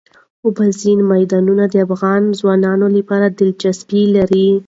اوبزین معدنونه د افغان ځوانانو لپاره دلچسپي لري.